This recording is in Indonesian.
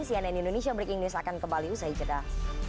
cnn indonesia breaking news akan kembali usai jeda